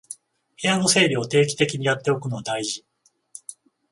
部屋の整理を定期的にやっておくのは大事